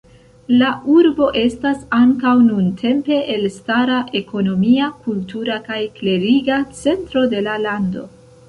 La urbo estas ankaŭ nuntempe elstara ekonomia, kultura kaj kleriga centro de la lando.